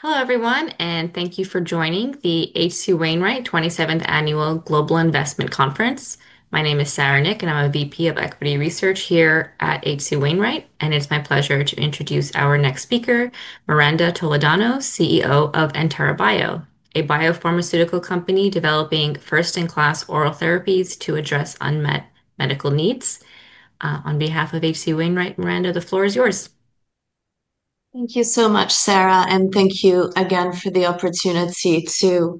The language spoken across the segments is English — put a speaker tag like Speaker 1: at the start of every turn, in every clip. Speaker 1: Hello everyone, and thank you for joining the H.C. Wainwright 27th Annual Global Investment Conference. My name is Sara Nik, and I'm a VP of Equity Research here at H.C. Wainwright. It's my pleasure to introduce our next speaker, Miranda Toledano, CEO of Entera Bio, a biopharmaceutical company developing first-in-class oral therapies to address unmet medical needs. On behalf of H.C. Wainwright, Miranda, the floor is yours.
Speaker 2: Thank you so much, Sara, and thank you again for the opportunity to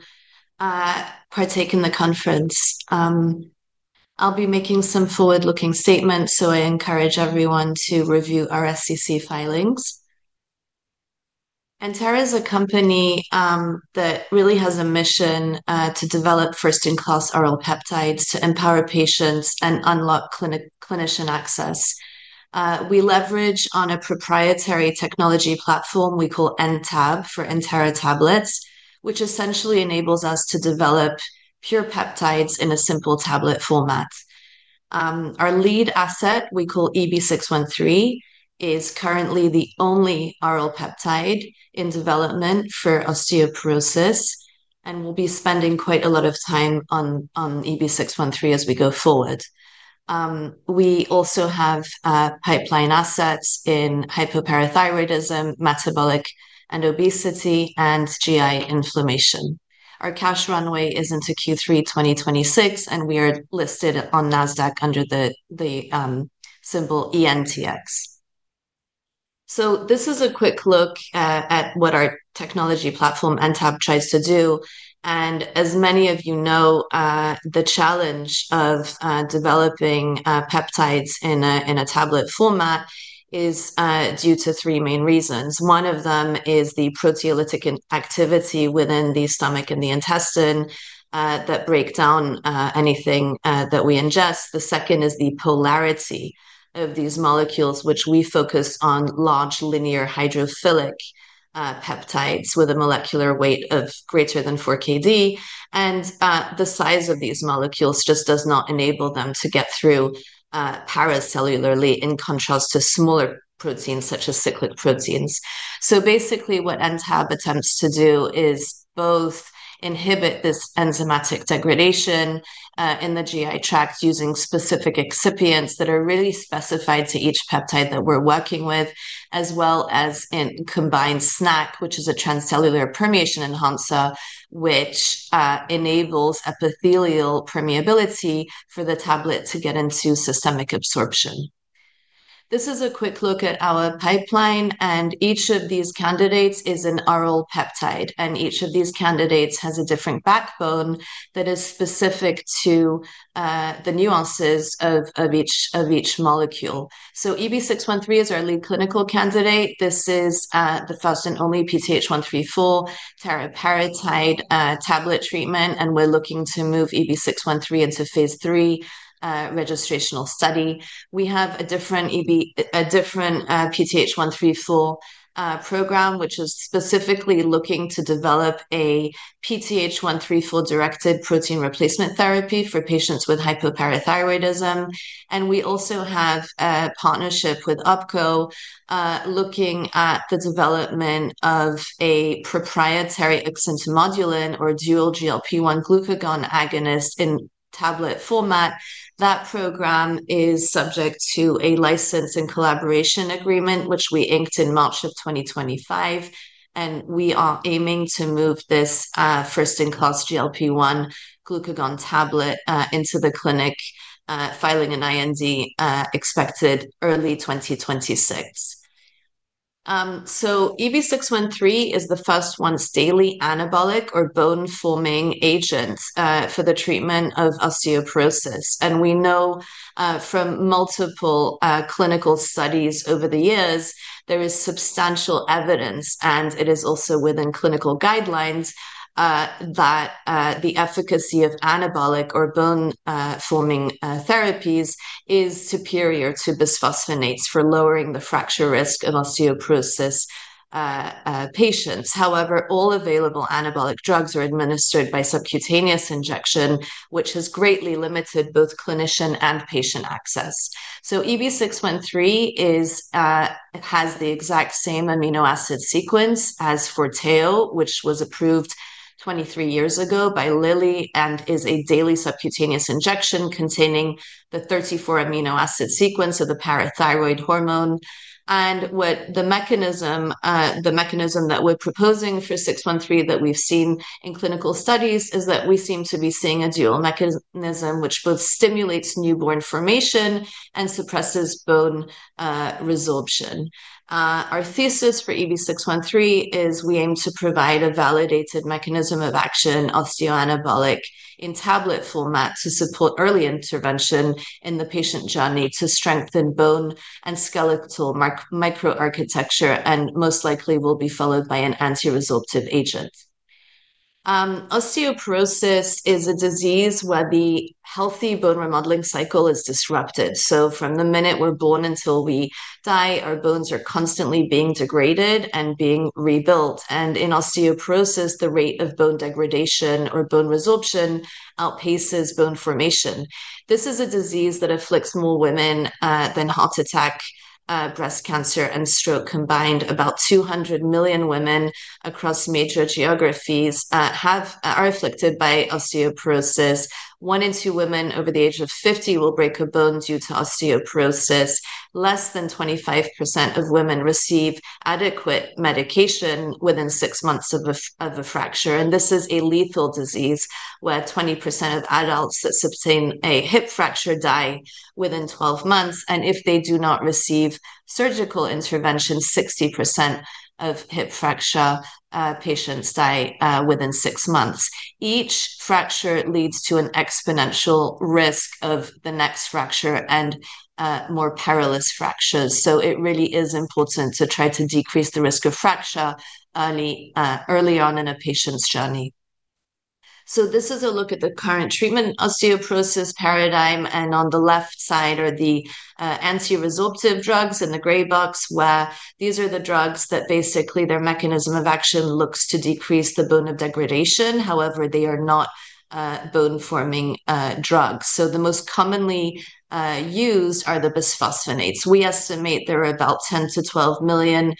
Speaker 2: partake in the conference. I'll be making some forward-looking statements, so I encourage everyone to review our SEC filings. Entera is a company that really has a mission to develop first-in-class oral peptides to empower patients and unlock clinician access. We leverage a proprietary technology platform we call N-Tab for Entera Tablets, which essentially enables us to develop pure peptides in a simple tablet format. Our lead asset, we call EB613, is currently the only oral peptide in development for osteoporosis, and we'll be spending quite a lot of time on EB613 as we go forward. We also have pipeline assets in hypoparathyroidism, metabolic and obesity, and GI inflammation. Our cash runway is into Q3 2026, and we are listed on NASDAQ under the symbol ENTX. This is a quick look at what our technology platform, N-Tab, tries to do. As many of you know, the challenge of developing peptides in a tablet format is due to three main reasons. One of them is the proteolytic activity within the stomach and the intestine that breaks down anything that we ingest. The second is the polarity of these molecules, which we focus on large linear hydrophilic peptides with a molecular weight of greater than 4 kDa. The size of these molecules just does not enable them to get through paracellularly, in contrast to smaller proteins such as cyclic proteins. What N-Tab technology platform attempts to do is both inhibit this enzymatic degradation in the GI tract using specific excipients that are really specified to each peptide that we're working with, as well as in combined SNAC, which is a transcellular permeation enhancer, which enables epithelial permeability for the tablet to get into systemic absorption. This is a quick look at our pipeline, and each of these candidates is an oral peptide, and each of these candidates has a different backbone that is specific to the nuances of each molecule. EB613 is our lead clinical candidate. This is the first and PTH(1-34) teriparatide tablet treatment, and we're looking to move EB613 into a double-blind, placebo-controlled phase III registrational study. We have different PTH(1-34) teriparatide program, which is specifically looking to a PTH(1-34) teriparatide directed protein replacement therapy for patients with hypoparathyroidism. We also have a partnership with OPKO, looking at the development of a proprietary oxyntomodulin or dual GLP-1/glucagon agonist in tablet format. That program is subject to a license and collaboration agreement, which we inked in March of 2025. We are aiming to move this first-in-class GLP-1/glucagon tablet into the clinic, filing an IND expected early 2026. EB613 is the first once-daily anabolic or bone-forming agent for the treatment of osteoporosis. We know from multiple clinical studies over the years, there is substantial evidence, and it is also within clinical guidelines, that the efficacy of anabolic or bone-forming therapies is superior to bisphosphonates for lowering the fracture risk of osteoporosis patients. However, all available anabolic agents are administered by subcutaneous injection, which has greatly limited both clinician and patient access. EB613 has the exact same amino acid sequence as Forteo, which was approved 23 years ago by Lilly and is a daily subcutaneous injection containing the 34 amino acid sequence of the parathyroid hormone. The mechanism that we're proposing for EB613 that we've seen in clinical studies is that we seem to be seeing a dual mechanism, which both stimulates new bone formation and suppresses bone resorption. Our thesis for EB613 is we aim to provide a validated mechanism of action, osteoanabolic in tablet format, to support early intervention in the patient journey to strengthen bone and skeletal microarchitecture, and most likely will be followed by an antiresorptive agent. Osteoporosis is a disease where the healthy bone remodeling cycle is disrupted. From the minute we're born until we die, our bones are constantly being degraded and being rebuilt. In osteoporosis, the rate of bone degradation or bone resorption outpaces bone formation. This is a disease that afflicts more women than heart attack, breast cancer, and stroke combined. About 200 million women across major geographies are afflicted by osteoporosis. One in two women over the age of 50 will break a bone due to osteoporosis. Less than 25% of women receive adequate medication within six months of a fracture. This is a lethal disease where 20% of adults that sustain a hip fracture die within 12 months. If they do not receive surgical intervention, 60% of hip fracture patients die within six months. Each fracture leads to an exponential risk of the next fracture and more perilous fractures. It really is important to try to decrease the risk of fracture early on in a patient's journey. This is a look at the current treatment osteoporosis paradigm. On the left side are the antiresorptive drugs in the gray box, where these are the drugs that basically, their mechanism of action looks to decrease the bone of degradation. However, they are not bone-forming drugs. The most commonly used are the bisphosphonates. We estimate there are about 10 to 12 million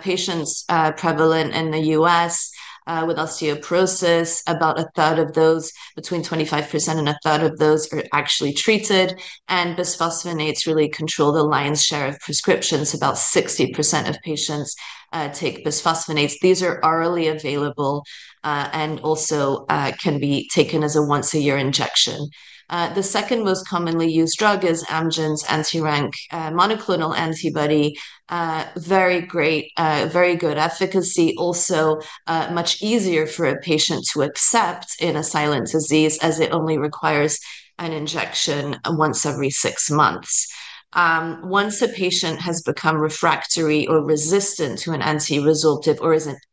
Speaker 2: patients prevalent in the U.S. with osteoporosis. About 1/3 of those, between 25% and 1/3 of those, are actually treated. Bisphosphonates really control the lion's share of prescriptions. About 60% of patients take bisphosphonates. These are orally available and also can be taken as a once-a-year injection. The second most commonly used drug is Amgen's anti-RANKL monoclonal antibody. Very great, very good efficacy. Also, much easier for a patient to accept in a silent disease, as it only requires an injection once every six months. Once a patient has become refractory or resistant to an antiresorptive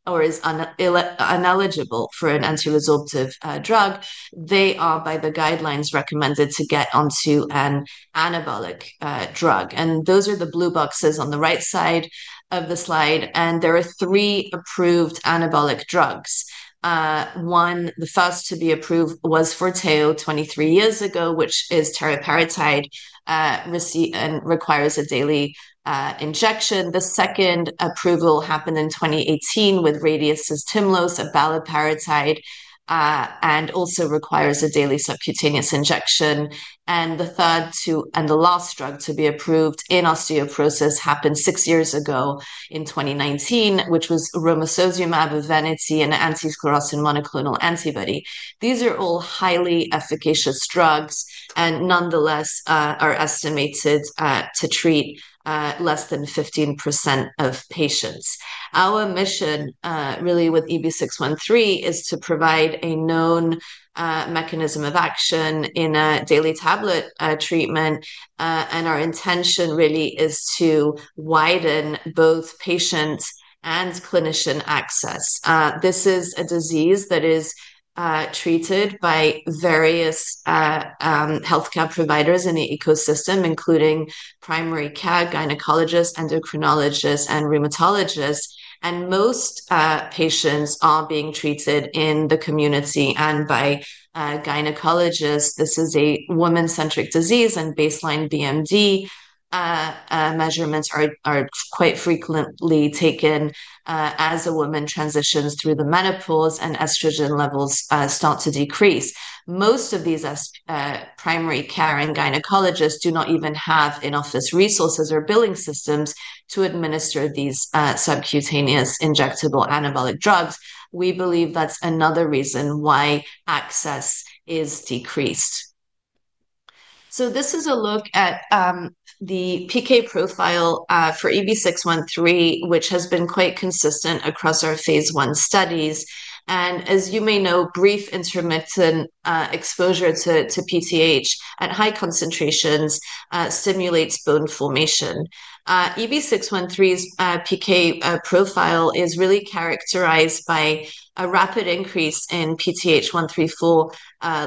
Speaker 2: or is ineligible for an antiresorptive drug, they are, by the guidelines, recommended to get onto an anabolic drug. Those are the blue boxes on the right side of the slide. There are three approved anabolic drugs. The first to be approved was Forteo 23 years ago, which is teriparatide and requires a daily injection. The second approval happened in 2018 with Radius's Tymlos, abaloparatide, and also requires a daily subcutaneous injection. The third and last drug to be approved in osteoporosis happened six years ago in 2019, which was romosozumab EVENITY, an anti-sclerostin monoclonal antibody. These are all highly efficacious drugs and nonetheless are estimated to treat less than 15% of patients. Our mission with EB613 is to provide a known mechanism of action in a daily tablet treatment. Our intention is to widen both patient and clinician access. This is a disease that is treated by various healthcare providers in the ecosystem, including primary care, gynecologists, endocrinologists, and rheumatologists. Most patients are being treated in the community and by gynecologists. This is a woman-centric disease, and baseline BMD measurements are quite frequently taken as a woman transitions through menopause and estrogen levels start to decrease. Most of these primary care and gynecologists do not even have in-office resources or billing systems to administer these subcutaneous injectable anabolic drugs. We believe that's another reason why access is decreased. This is a look at the PK profile for EB613, which has been quite consistent across our phase one studies. As you may know, brief intermittent exposure to PTH at high concentrations stimulates bone formation. EB613's PK profile is really characterized by a rapid increase in PTH(1-34)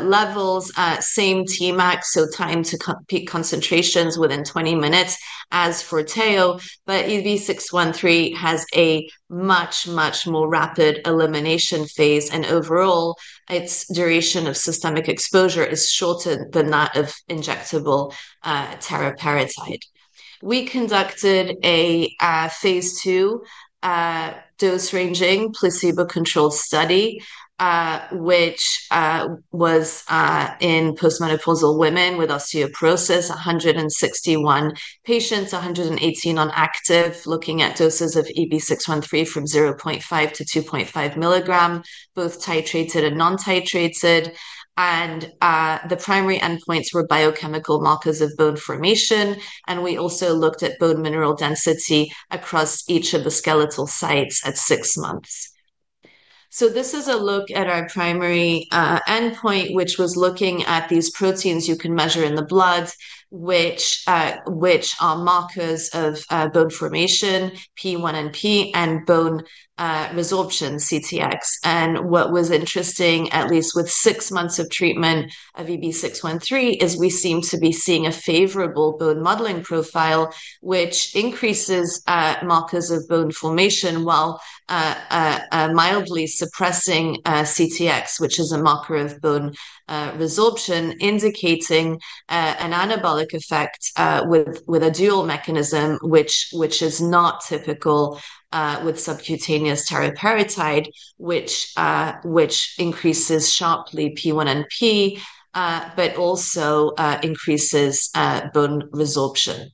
Speaker 2: levels, same Tmax, so time to peak concentrations within 20 minutes as Forteo. EB613 has a much, much more rapid elimination phase, and overall its duration of systemic exposure is shortened but not of injectable teriparatide. We conducted a phase two dose-ranging placebo-controlled study, which was in postmenopausal women with osteoporosis, 161 patients, 118 non-active, looking at doses of EB613 from 0.5 mg-2.5 mg, both titrated and non-titrated. The primary endpoints were biochemical markers of bone formation. We also looked at bone mineral density across each of the skeletal sites at six months. This is a look at our primary endpoint, which was looking at these proteins you can measure in the blood, which are markers of bone formation, P1NP, and bone resorption, CTx. What was interesting, at least with six months of treatment of EB613, is we seem to be seeing a favorable bone modeling profile, which increases markers of bone formation while mildly suppressing CTx, which is a marker of bone resorption, indicating an anabolic effect with a dual mechanism, which is not typical with subcutaneous teriparatide, which increases sharply P1NP, but also increases bone resorption.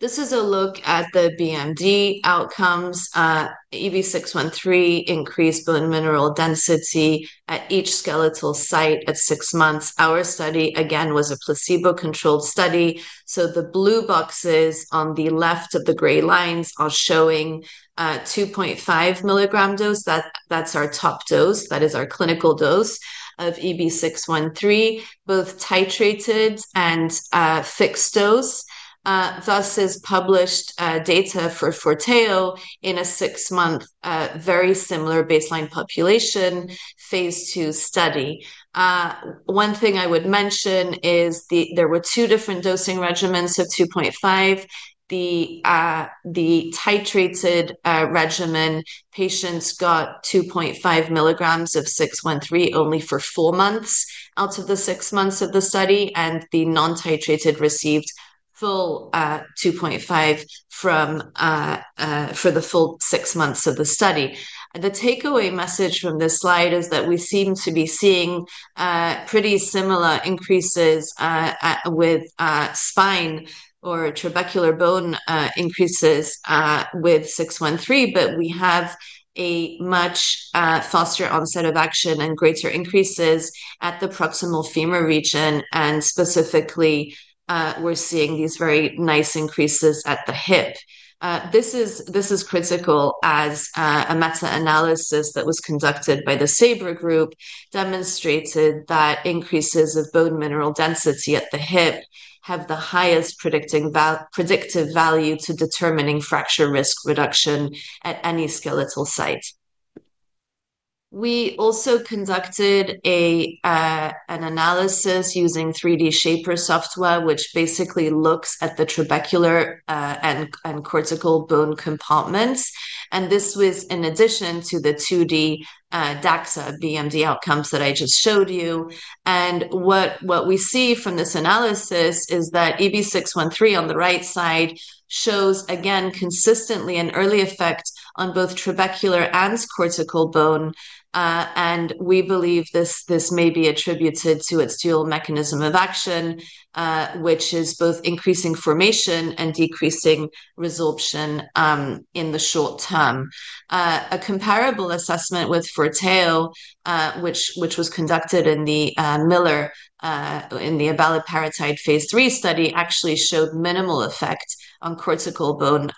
Speaker 2: This is a look at the BMD outcomes. EB613 increased bone mineral density at each skeletal site at six months. Our study, again, was a placebo-controlled study. The blue boxes on the left of the gray lines are showing 2.5 mg dose. That's our top dose. That is our clinical dose of EB613, both titrated and fixed dose. This is published data for Forteo in a six-month, very similar baseline population, phase two study. One thing I would mention is there were two different dosing regimens. 2.5 mg, the titrated regimen, patients got 2.5 mg of 613 only for four months out of the six months of the study, and the non-titrated received full 2.5 mg for the full six months of the study. The takeaway message from this slide is that we seem to be seeing pretty similar increases with spine or trabecular bone increases with 613, but we have a much faster onset of action and greater increases at the proximal femur region. Specifically, we're seeing these very nice increases at the hip. This is critical as a meta-analysis that was conducted by the SABRE Group demonstrated that increases of bone mineral density at the hip have the highest predictive value to determining fracture risk reduction at any skeletal site. We also conducted an analysis using 3D Shaper software, which basically looks at the trabecular and cortical bone compartments. This was in addition to the 2D-DXA BMD outcomes that I just showed you. What we see from this analysis is that EB613 on the right side shows again consistently an early effect on both trabecular and cortical bone. We believe this may be attributed to its dual mechanism of action, which is both increasing formation and decreasing resorption in the short term. A comparable assessment with Forteo, which was conducted in the Miller and the abaloparatide phase III study, actually showed minimal effect on cortical bone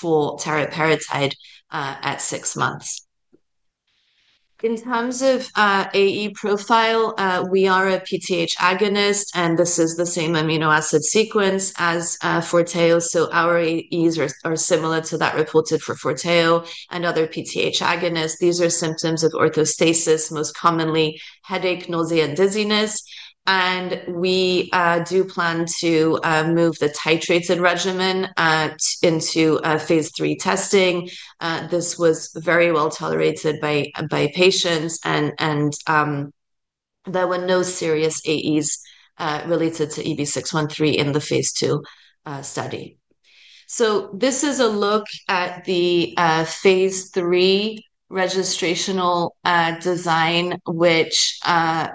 Speaker 2: for teriparatide at six months. In terms of AE profile, we are a PTH agonist, and this is the same amino acid sequence as Forteo. Our AEs are similar to that reported for Forteo and other PTH agonists. These are symptoms of orthostasis, most commonly headache, nausea, and dizziness. We do plan to move the titrated regimen into phase III testing. This was very well tolerated by patients, and there were no serious AEs related to EB613 in the phase 2 study. This is a look at the phase III registrational design, which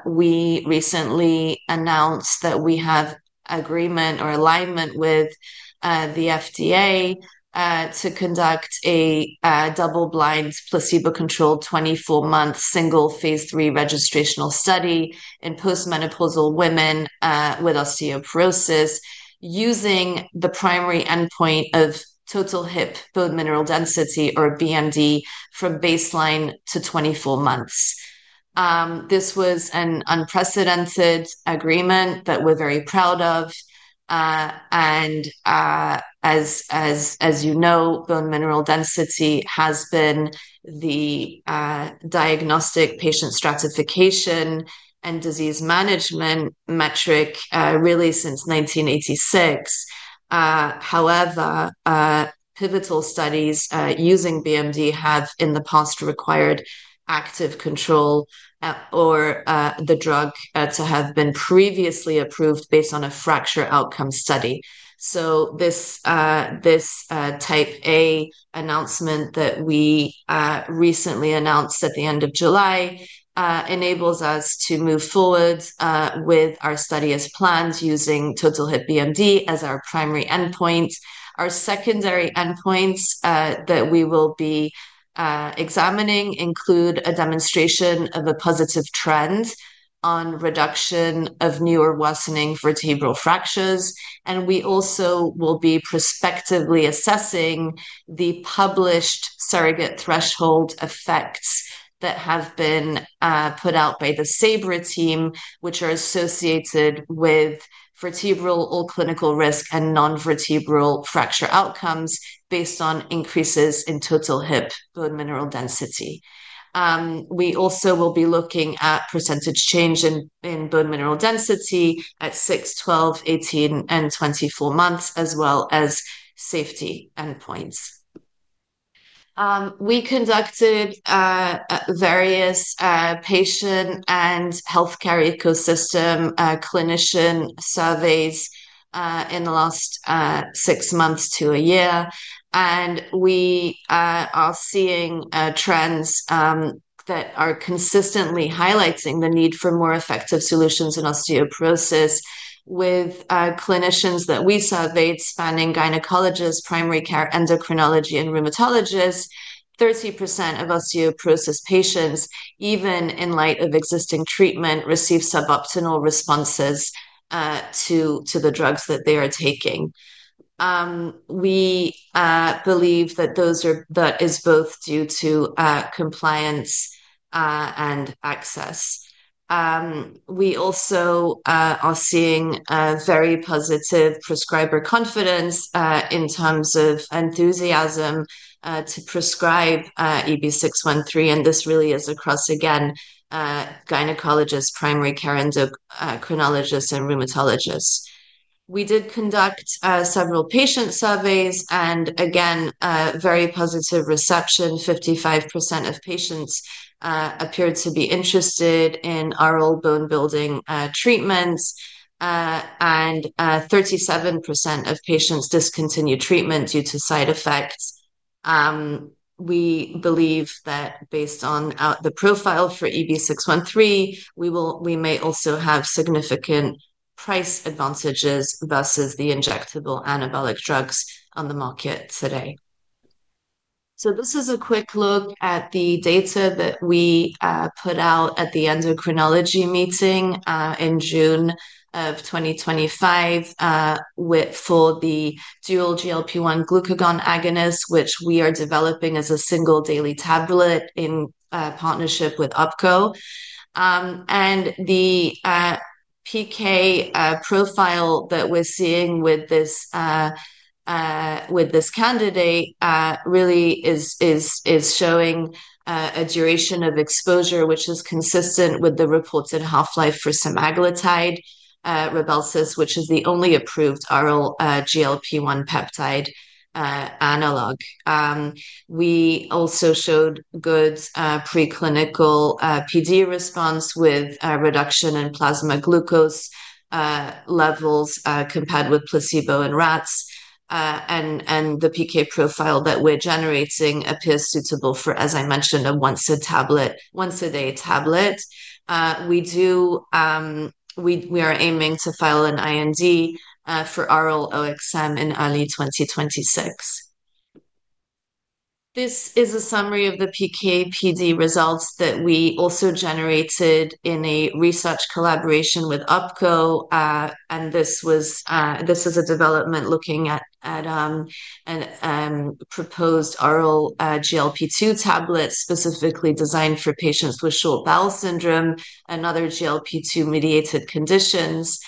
Speaker 2: we recently announced that we have agreement or alignment with the FDA to conduct a double-blind, placebo-controlled, 24-month single phase III registrational study in postmenopausal women with osteoporosis, using the primary endpoint of total hip bone mineral density or BMD from baseline to 24 months. This was an unprecedented agreement that we're very proud of. As you know, bone mineral density has been the diagnostic patient stratification and disease management metric really since 1986. However, pivotal studies using BMD have in the past required active control or the drug to have been previously approved based on a fracture outcome study. This type A announcement that we recently announced at the end of July enables us to move forward with our study as planned, using total hip BMD as our primary endpoint. Our secondary endpoints that we will be examining include a demonstration of a positive trend on reduction of new or worsening vertebral fractures. We also will be prospectively assessing the published surrogate threshold effects that have been put out by the SABRE team, which are associated with vertebral or clinical risk and nonvertebral fracture outcomes based on increases in total hip bone mineral density. We also will be looking at percentage change in bone mineral density at 6, 12, 18, and 24 months, as well as safety endpoints. We conducted various patient and healthcare ecosystem clinician surveys in the last six months to a year. We are seeing trends that are consistently highlighting the need for more effective solutions in osteoporosis. With clinicians that we surveyed, spanning gynecologists, primary care, endocrinology, and rheumatologists, 30% of osteoporosis patients, even in light of existing treatment, receive suboptimal responses to the drugs that they are taking. We believe that those are both due to compliance and access. We also are seeing very positive prescriber confidence in terms of enthusiasm to prescribe EB613. This really is across, again, gynecologists, primary care, endocrinologists, and rheumatologists. We did conduct several patient surveys, and again, very positive reception. 55% of patients appeared to be interested in oral bone-building treatments, and 37% of patients discontinued treatment due to side effects. We believe that based on the profile for EB613, we may also have significant price advantages versus the injectable anabolic drugs on the market today. This is a quick look at the data that we put out at the endocrinology meeting in June of 2025 for the dual GLP-1/glucagon agonist, which we are developing as a single daily tablet in partnership with OPKO. The PK profile that we're seeing with this candidate really is showing a duration of exposure, which is consistent with the reported half-life for semaglutide RYBELSUS, which is the only approved oral GLP-1 peptide analog. We also showed good preclinical PD response with reduction in plasma glucose levels compared with placebo in rats. The PK profile that we're generating appears suitable for, as I mentioned, a once-a-day tablet. We are aiming to file an IND for oral OXM in early 2026. This is a summary of the PK-PD results that we also generated in a research collaboration with OPKO. This is a development looking at a proposed oral GLP-2 tablet specifically designed for patients with short bowel syndrome and other GLP-2 mediated conditions.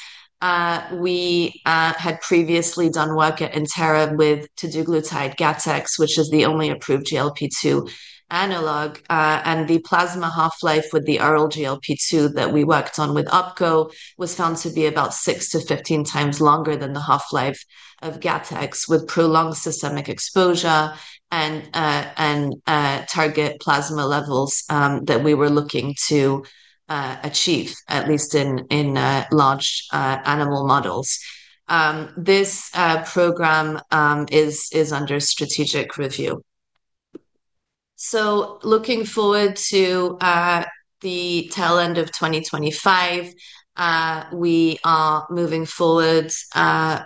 Speaker 2: We had previously done work at Entera with teduglutide, which is the only approved GLP-2 analog. The plasma half-life with the oral GLP-2 that we worked on with OPKO was found to be about 6x-15x longer than the half-life of teduglutide, with prolonged systemic exposure and target plasma levels that we were looking to achieve, at least in large animal models. This program is under strategic review. Looking forward to the tail end of 2025, we are moving forward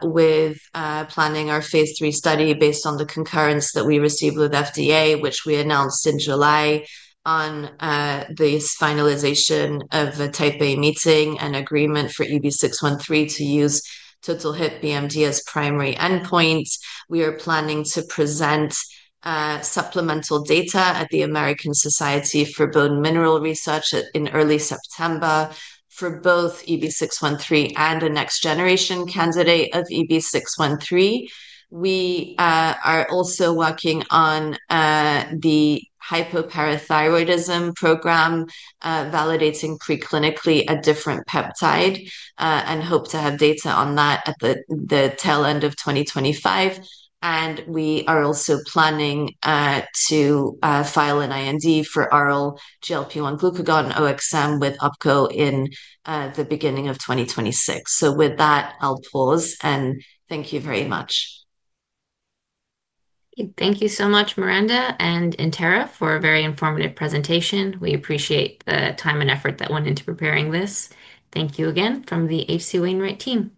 Speaker 2: with planning our phase III study based on the concurrence that we received with the FDA, which we announced in July on the finalization of a Type A meeting and agreement for EB613 to use total hip BMD as the primary endpoint. We are planning to present supplemental data at the American Society for Bone Mineral Research in early September for both EB613 and a next-generation candidate of EB613. We are also working on the hypoparathyroidism program, validating preclinically a different peptide, and hope to have data on that at the tail end of 2025. We are also planning to file an IND for oral GLP-1/glucagon OXM with OPKO in the beginning of 2026. With that, I'll pause and thank you very much.
Speaker 1: Thank you so much, Miranda and Entera, for a very informative presentation. We appreciate the time and effort that went into preparing this. Thank you again from the H.C. Wainwright team.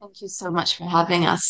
Speaker 2: Thank you so much for having us.